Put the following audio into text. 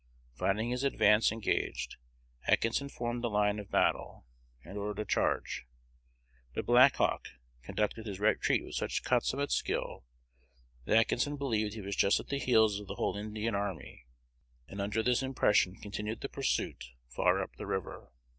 Finding his advance engaged, Atkinson formed a line of battle, and ordered a charge; but Black Hawk conducted his retreat with such consummate skill that Atkinson believed he was just at the heels of the whole Indian army, and under this impression continued the pursuit far up the river.